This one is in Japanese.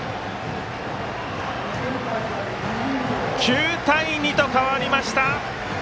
９対２と変わりました。